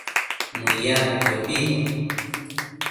Mëyadquiobi